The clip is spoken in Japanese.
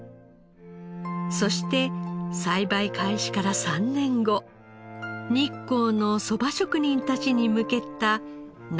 そして栽培開始から３年後日光のそば職人たちに向けた夏そばの試食会。